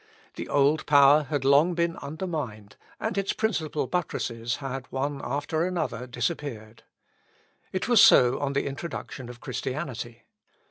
The old power had long been undermined, and its principal buttresses had one after another disappeared. It was so on the introduction of Christianity.